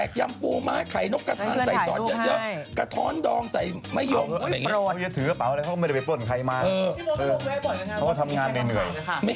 เอ้าคนธรรมดาใช้กระเป๋าแบบนี้มาเลย